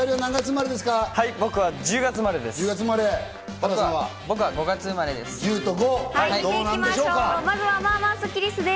僕は１０月生まれです。